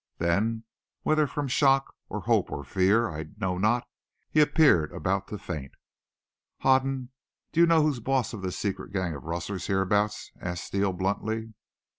Then, whether from shock or hope or fear I know not, he appeared about to faint. "Hoden, do you know who's boss of this secret gang of rustlers hereabouts?" asked Steele bluntly.